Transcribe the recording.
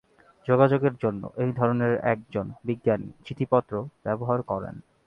যোগাযোগের জন্য, এই ধরনের একজন বিজ্ঞানী "চিঠিপত্র" ব্যবহার করেন।